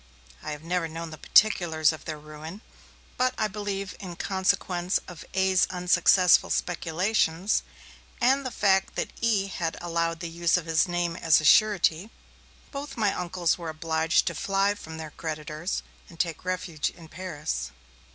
I have never known the particulars of their ruin, but, I believe in consequence of A.'s unsuccessful speculations, and of the fact that E. had allowed the use of his name as a surety, both my uncles were obliged to fly from their creditors, and take refuge in Paris.